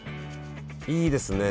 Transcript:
いいですね